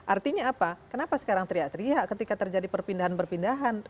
artinya apa kenapa sekarang teriak teriak ketika terjadi perpindahan perpindahan